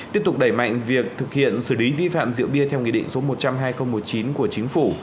tiếp tục đẩy mạnh việc thực hiện xử lý vi phạm rượu bia theo nghị định số một trăm linh hai nghìn một mươi chín của chính phủ